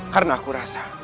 karena aku rasa